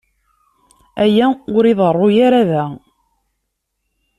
Aya ur iḍerru ara da.